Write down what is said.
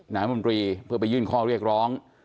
นายมนตรีเพื่อไปยื่นข้อเรียกร้อง